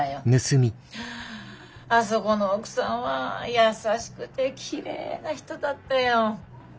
あそこの奥さんは優しくてきれいな人だったよ。